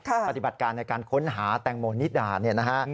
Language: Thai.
ปฏิบัติการในการค้นหาแตงโมนิดอาณ